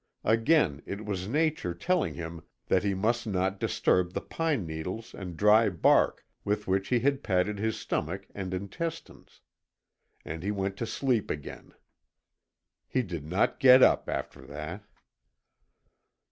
Again it was Nature telling him that he must not disturb the pine needles and dry bark with which he had padded his stomach and intestines. And he went to sleep again. He did not get up after that.